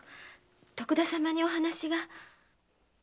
徳田様にお話が。